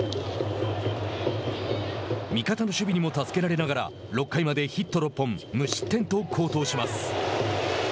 味方の守備にも助けられながら６回までヒット６本無失点と好投します。